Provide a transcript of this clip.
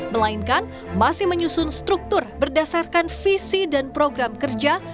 melainkan masih menyusun struktur berdasarkan visi dan program kerja